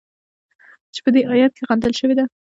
چې په دې ایت کې غندل شوې ده.